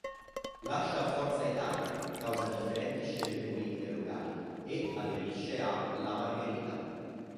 Lascia Forza Italia causa differenti scelte politiche locali e, aderisce a "La Margherita".